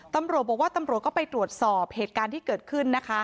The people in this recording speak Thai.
ตำรวจบอกว่าตำรวจก็ไปตรวจสอบเหตุการณ์ที่เกิดขึ้นนะคะ